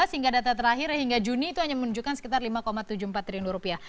hingga data terakhir hingga juni itu hanya menunjukkan sekitar lima tujuh puluh empat triliun rupiah